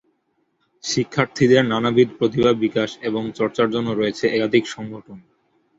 শিক্ষার্থীদের নানাবিধ প্রতিভা বিকাশ এবং চর্চার জন্যে রয়েছে একাধিক সংগঠন।